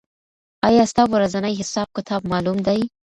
آیا ستا ورځنی حساب کتاب معلوم دی؟